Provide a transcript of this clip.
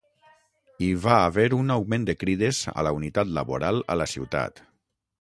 Hi va haver un augment de crides a la unitat laboral a la ciutat.